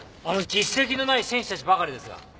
あの実績のない選手たちばかりですが。